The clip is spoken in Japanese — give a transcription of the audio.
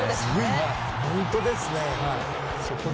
本当ですね。